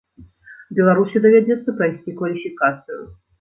Беларусі давядзецца прайсці кваліфікацыю.